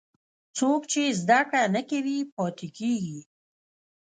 څوک چې زده کړه نه کوي، پاتې کېږي.